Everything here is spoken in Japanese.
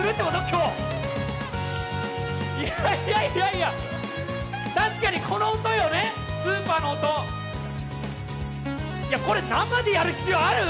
今日いやいやいやいや確かにこの音よねスーパーの音いやこれ生でやる必要ある！？